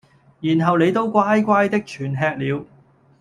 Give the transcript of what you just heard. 然後你都乖乖的全吃了。